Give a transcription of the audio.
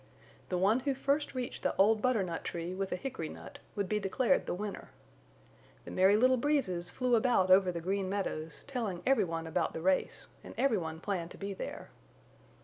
The one who first reached the old butternut tree with a hickory nut would be declared the winner. The Merry Little Breezes flew about over the Green Meadows telling everyone about the race and everyone planned to be there.